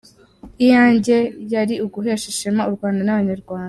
Iyanjye yari uguhesha ishema u Rwanda n’abanyarwanda.